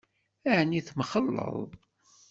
Ɛni temxelleḍ?